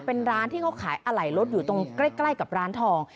เป็นร้านที่เขาขายอะไหล่รถอยู่ตรงใกล้กับร้านทอง